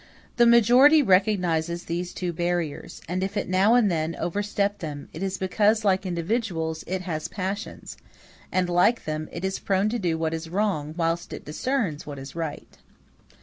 The majority recognizes these two barriers; and if it now and then overstep them, it is because, like individuals, it has passions, and, like them, it is prone to do what is wrong, whilst it discerns what is right.